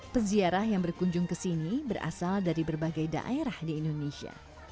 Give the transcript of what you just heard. peziarah yang berkunjung ke sini berasal dari berbagai daerah di indonesia